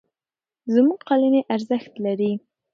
زموږ قالینې ارزښت لري.